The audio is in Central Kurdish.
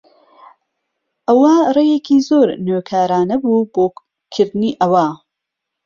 ئەوە ڕێیەکی زۆر نوێکارانە بوو بۆ کردنی ئەوە.